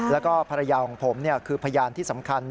แล้วก็ภรรยาของผมคือพยานที่สำคัญ